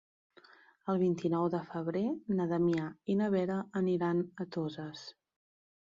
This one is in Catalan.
El vint-i-nou de febrer na Damià i na Vera aniran a Toses.